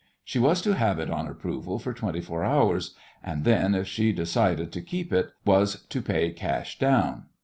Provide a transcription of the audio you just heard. She was to have it on approval for twenty four hours, and then, if she decided to keep it, was to pay cash down.